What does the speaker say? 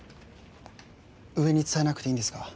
上に伝えなくていいんですか？